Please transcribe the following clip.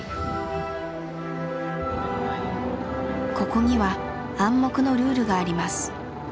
ここには暗黙のルールがあります。